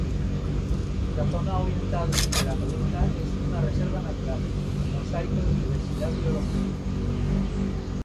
La zona oriental de la columna es una reserva natural, mosaico de diversidad biológica.